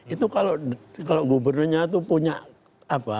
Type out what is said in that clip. itu kalau gubernurnya itu punya apa